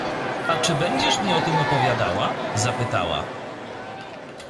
— A czy będziesz mi o tym opowiadała? — zapytała.